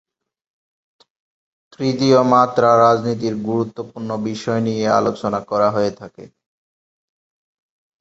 তৃতীয় মাত্রা রাজনীতির গুরুত্বপূর্ণ বিষয় নিয়ে আলোচনা করা হয়ে থাকে।